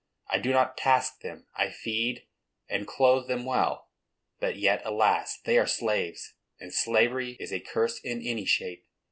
I do not task them; I feed and clothe them well; but yet, alas! they are slaves, and slavery is a curse in any shape.